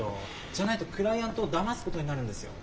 じゃないとクライアントをだますことになるんですよ。